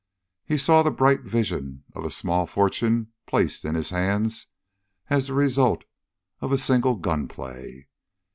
He saw the bright vision of a small fortune placed in his hands as the result of a single gunplay.